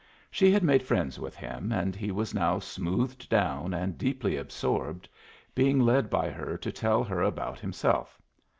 She had made friends with him, and he was now smoothed down and deeply absorbed, being led by her to tell her about himself.